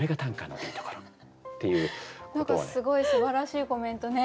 何かすごいすばらしいコメントね頂けて。